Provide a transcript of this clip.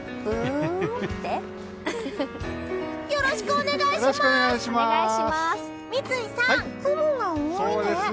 よろしくお願いします！